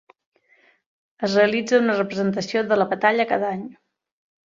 Es realitza una representació de la batalla cada any.